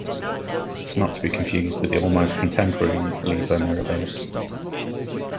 It is not to be confused with the almost contemporary "Liber mirabilis".